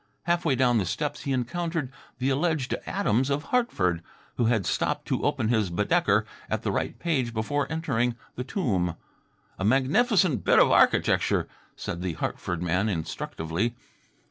Halfway down the steps he encountered the alleged Adams of Hartford, who had stopped to open his Badaeker at the right page before entering the tomb. "A magnificent bit of architecture," said the Hartford man instructively.